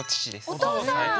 お父さん。